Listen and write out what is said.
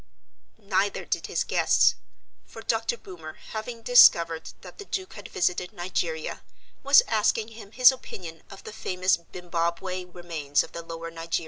Neither did his guests. For Dr. Boomer, having discovered that the Duke had visited Nigeria, was asking him his opinion of the famous Bimbaweh remains of the lower Niger.